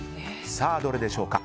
さあ、どれでしょうか。